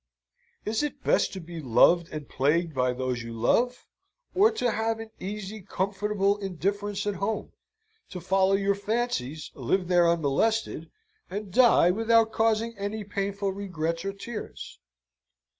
Is it best to be loved and plagued by those you love, or to have an easy, comfortable indifference at home; to follow your fancies, live there unmolested, and die without causing any painful regrets or tears?